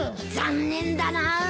残念だな